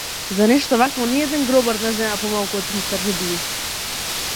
За нешто вакво ниеден гробар не зема помалку од триста рубљи.